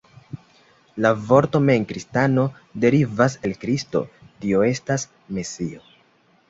La vorto mem kristano, derivas el Kristo, tio estas, Mesio.